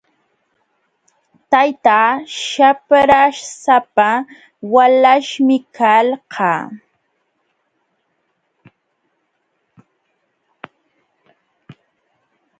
Taytaa shaprasapa walaśhmi kalqa.